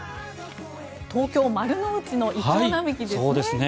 東京・丸の内のイチョウ並木ですね。